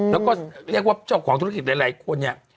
แล้วก็เรียกว่าเจ้าของธุรกิจหลายคนเนี่ย